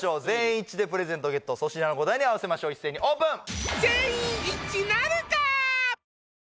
全員一致でプレゼントゲット粗品の答えに合わせましょう一斉にオープン！